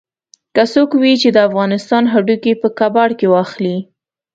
که څوک وي چې د افغانستان هډوکي په کباړ کې واخلي.